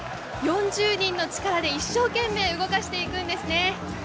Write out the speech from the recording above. ４０人の力で一生懸命動かしていくんですね。